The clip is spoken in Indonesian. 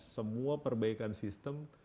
semua perbaikan sistem